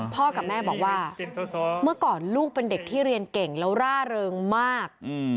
กับแม่บอกว่าเมื่อก่อนลูกเป็นเด็กที่เรียนเก่งแล้วร่าเริงมาก